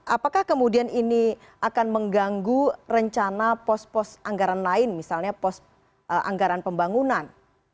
apakah kemudian ini akan mengganggu rencana pos pos anggaran lain misalnya pos anggaran pembangunan